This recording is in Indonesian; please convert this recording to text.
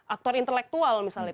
aktor intelektual misalnya